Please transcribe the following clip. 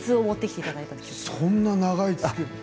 そんな長い間？